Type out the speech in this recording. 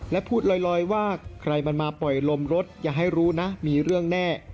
และพูดลอยว่าใครมันมาปล่อยลมรถอย่าให้รู้นะมีเรื่องแน่